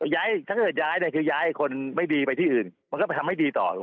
ถ้าเกิดย้ายเนี่ยคือย้ายคนไม่ดีไปที่อื่นมันก็ไปทำให้ดีต่อ